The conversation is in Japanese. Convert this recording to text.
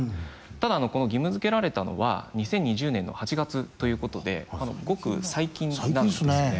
ただこの義務づけられたのは２０２０年の８月ということでごく最近なんですね。